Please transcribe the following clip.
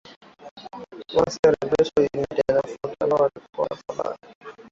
waasi wa Revolutionary United Front ambao walikuwa wanapambana